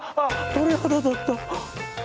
鳥肌立った。